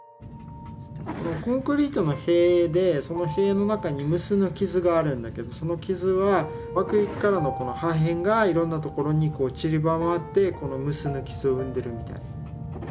コンクリートの塀でその塀の中に無数の傷があるんだけどその傷は爆撃からの破片がいろんなところに散らばって無数の傷を生んでるみたいな。